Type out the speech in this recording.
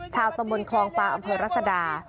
ชาวตำบลคลองปลาอำเภอรัศดา